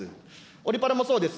オリパラもそうです。